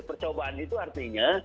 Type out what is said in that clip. percobaan itu artinya